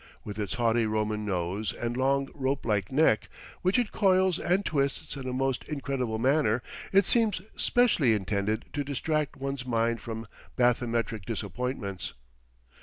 With its haughty Roman nose and long, ropelike neck, which it coils and twists in a most incredible manner, it seems specially intended to distract one's mind from bathymetric disappointments.